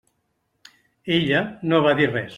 Ella no va dir res.